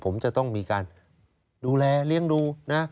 ผมจะต้องมีการดูแลเลี้ยงดูนะ